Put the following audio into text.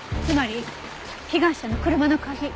つまり被害者の車の鍵。